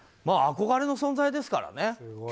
あこがれの存在ですからね。